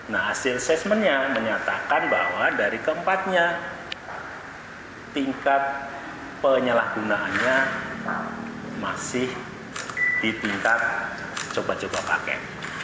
nah hasil asesmennya menyatakan bahwa dari keempatnya tingkat penyalahgunaannya masih di tingkat coba coba pakai